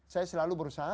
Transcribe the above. saya selalu berusaha